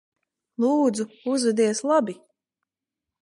Lūdzu, uzvedies labi.